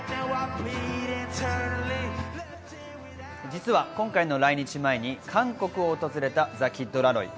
実は今回の来日前に韓国を訪れたザ・キッド・ラロイ。